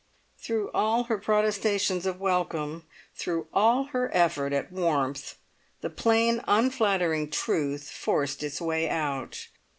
Through all her protestation of welcome, through all her effort at warmth, the plain, unflattering truth forced its way out.